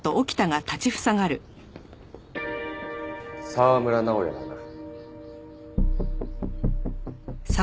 沢村直哉だな？